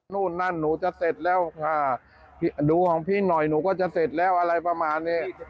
นู่นนั่นหนูจะเสร็จแล้วค่ะดูของพี่หน่อยหนูก็จะเสร็จแล้วอะไรประมาณนี้